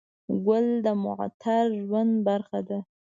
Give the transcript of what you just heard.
ګل د معطر ژوند برخه ده.